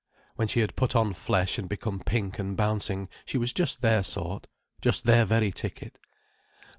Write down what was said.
When she had put on flesh and become pink and bouncing she was just their sort: just their very ticket.